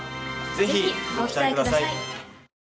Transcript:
ぜひご期待ください！